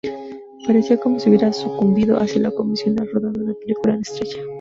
Parecía como si hubiera sucumbido hacia lo convencional rodando una película con estrella.